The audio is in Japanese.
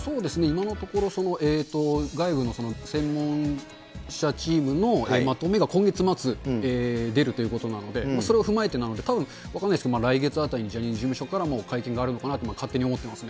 今のところ、その外部の専門者チームのまとめが今月末、出るということなので、それを踏まえてなので、分からないですけど、来月あたりにジャニーズ事務所からも会見があるのかなと勝手に思ってます。